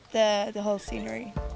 dan ini menetapkan seluruh scenari